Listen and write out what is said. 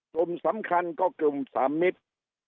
กลุ่มสำคัญก็กลุ่มสามมิตร